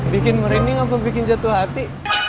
bikin merinding atau bikin jatuh hati